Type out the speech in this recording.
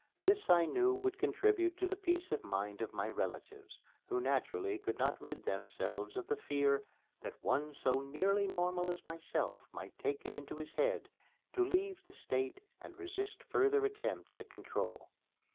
This I knew would contribute to the peace of mind of my relatives, who naturally could not rid themselves of the fear that one so nearly normal as myself might take it into his head to leave the State and resist further attempts at control.